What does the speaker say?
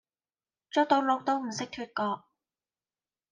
捉到鹿都唔識脫角